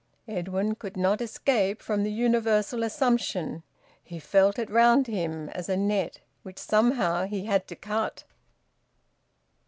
Edwin could not escape from the universal assumption. He felt it round him as a net which somehow he had to cut.